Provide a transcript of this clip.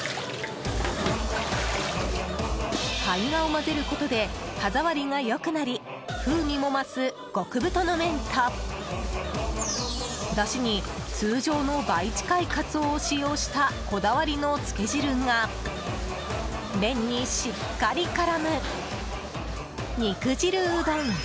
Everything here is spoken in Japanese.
胚芽を混ぜることで歯触りが良くなり風味も増す極太の麺とダシに通常の倍近いカツオを使用した、こだわりのつけ汁が麺にしっかり絡む肉汁うどん。